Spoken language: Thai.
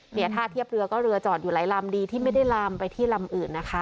เนี่ยท่าเทียบเรือก็เรือจอดอยู่หลายลำดีที่ไม่ได้ลามไปที่ลำอื่นนะคะ